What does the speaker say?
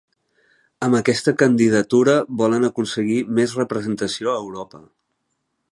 Amb aquesta candidatura volen aconseguir més representació a Europa